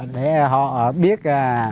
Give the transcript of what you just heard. để họ biết